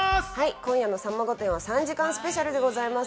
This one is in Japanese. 今夜の『さんま御殿！！』は３時間スペシャルです。